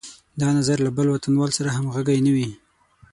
دا نظر له بل وطنوال سره همغږی نه وي.